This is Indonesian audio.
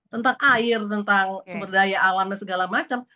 tentang air tentang sumber daya alam dan segala macam